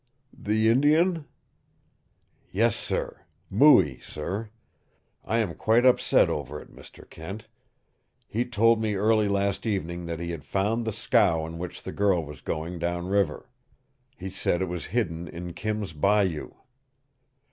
"The Indian?" "Yes, sir Mooie, sir. I am quite upset over it, Mr. Kent. He told me early last evening that he had found the scow on which the girl was going down river. He said it was hidden in Kim's Bayou."